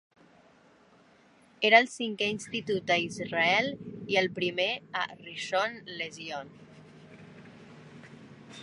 Era el cinquè institut a Israel i el primer a Rishon LeZion.